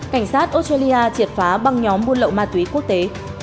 cảnh sát australia triệt phá băng nhóm buôn lậu ma túy quốc tế